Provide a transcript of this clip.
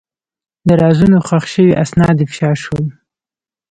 د رازونو ښخ شوي اسناد افشا شول.